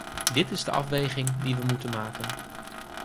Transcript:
Dit is de afweging die we moeten maken.